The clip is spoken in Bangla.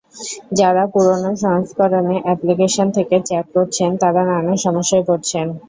যাঁরা পুরোনো সংস্করণের অ্যাপ্লিকেশন থেকে চ্যাট করছেন, তাঁরা নানা সমস্যায় পড়ছেন।